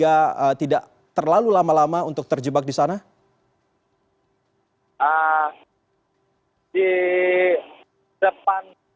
apakah ada alternatif jalan yang mungkin bisa anda sampaikan kepada masyarakat terkait dengan kejadian lalu lintas di sana